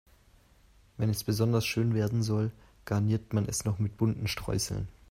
Wenn es besonders schön werden soll, garniert man es noch mit bunten Streuseln.